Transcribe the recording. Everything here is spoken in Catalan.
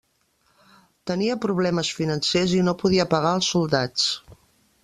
Tenia problemes financers i no podia pagar als soldats.